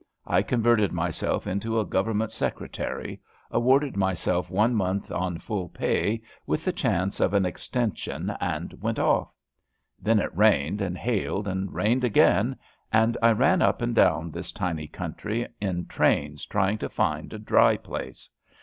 I converted my self into a Government Secretary, awarded my self one month on full pay with the chance of an extension, and went off. Then it rained and hailed, and rained again, and I ran up and down this tiny country in trains trying to find a dry place.